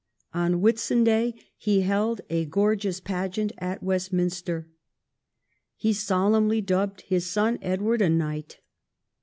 On Whitsunday he held a gorgeous pageant at Westminster. He solemnly dubbed his son Edward a knight.